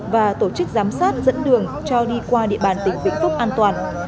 và tổ chức giám sát dẫn đường cho đi qua địa bàn tỉnh vĩnh phúc an toàn